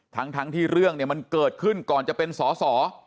ทั้งที่เรื่องเนี่ยมันเกิดขึ้นก่อนจะเป็นสอสอ